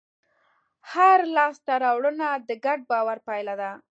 هره لاستهراوړنه د ګډ باور پایله ده.